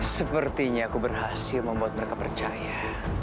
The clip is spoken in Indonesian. sepertinya aku berhasil membuat mereka percaya